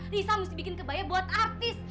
risa mesti bikin kebaya buat artis